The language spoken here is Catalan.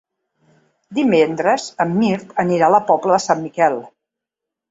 Divendres en Mirt anirà a la Pobla de Sant Miquel.